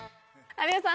有吉さん